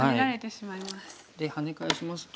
でハネ返しますと。